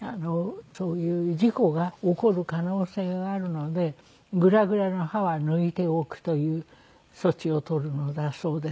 そういう事故が起こる可能性があるのでグラグラの歯は抜いておくという措置を取るのだそうです。